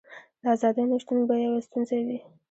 د ازادۍ نشتون به یوه ستونزه وي.